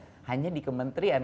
tidak hanya di kementerian